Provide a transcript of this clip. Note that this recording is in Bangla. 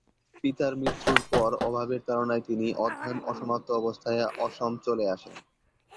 পিতার মৃত্যুর পর অভাবের তারণায় তিনি অধ্যয়ন অসমাপ্ত অবস্থায় অসম চলে আসেন।